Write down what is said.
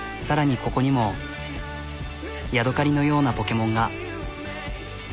さらにここにもやどかりのようなポケモンが。